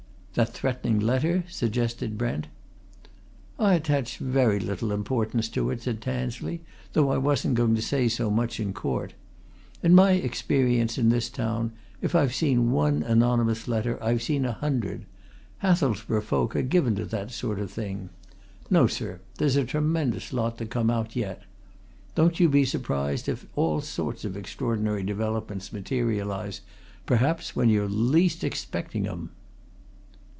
"That threatening letter?" suggested Brent. "I attach very little importance to it," said Tansley, "though I wasn't going to say so much in court. In my experience in this town, if I've seen one anonymous letter I've seen a hundred. Hathelsborough folk are given to that sort of thing. No, sir there's a tremendous lot to come out yet. Don't you be surprised if all sorts of extraordinary developments materialize perhaps when you're least expecting 'em!"